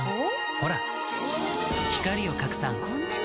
ほら光を拡散こんなに！